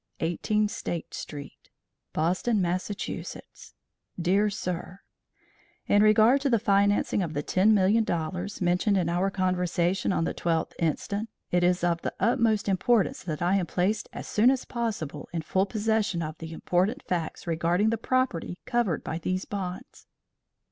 18 State St., Boston, Mass., Dear Sir: In regard to the financing of the $10,000,000, mentioned in our conversation on the 12th inst., it is of the utmost importance that I am placed as soon as possible in full possession of the important facts regarding the property covered by these bonds.